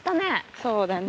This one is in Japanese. そうだね。